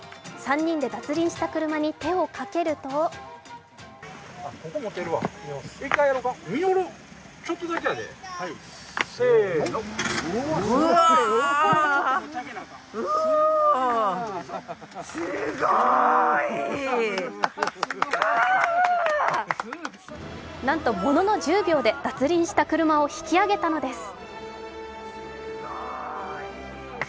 ３人で脱輪した車に手をかけるとなんと、ものの１０秒で脱輪した車を引き上げたのです。